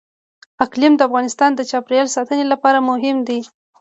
اقلیم د افغانستان د چاپیریال ساتنې لپاره مهم دي.